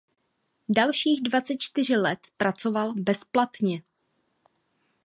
Dalších dvacet čtyři let pracoval bezplatně.